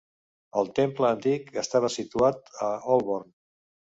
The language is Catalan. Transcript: El "Temple Antic" estava situat a Holborn.